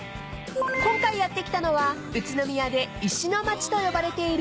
［今回やって来たのは宇都宮で石の町と呼ばれている